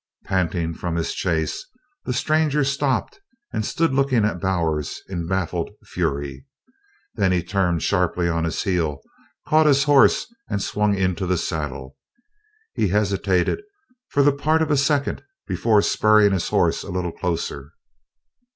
Panting from his chase, the stranger stopped and stood looking at Bowers in baffled fury. Then he turned sharply on his heel, caught his horse and swung into the saddle. He hesitated for the part of a second before spurring his horse a little closer.